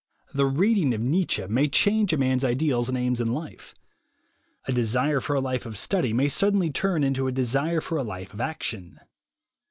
The reading of Nietzsche may change a man's ideals and aims in life. A desire for a life of study may suddenly turn into a desire for a life of "action."